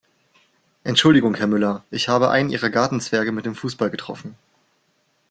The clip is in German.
Entschuldigung Herr Müller, ich habe einen Ihrer Gartenzwerge mit dem Fußball getroffen.